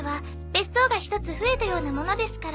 別荘が１つ増えたようなものですから。